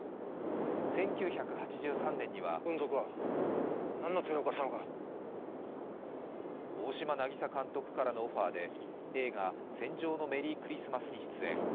１９８３年には大島渚監督からのオファーで映画「戦場のメリークリスマス」に出演。